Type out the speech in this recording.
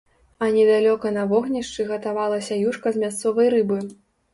А недалёка на вогнішчы гатавалася юшка з мясцовай рыбы.